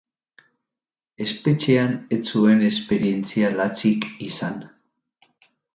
Espetxean ez zuen esperientzia latzik izan.